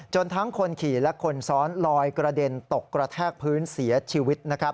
ทั้งคนขี่และคนซ้อนลอยกระเด็นตกกระแทกพื้นเสียชีวิตนะครับ